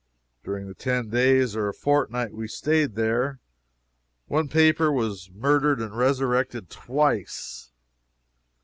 During the ten days or a fortnight we staid there one paper was murdered and resurrected twice.